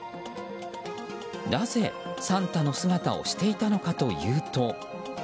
なぜ、サンタの姿をしていたのかというと。